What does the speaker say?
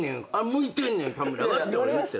向いてんねん田村がって俺言ったよな？